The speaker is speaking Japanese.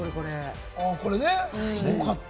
これね、すごかった。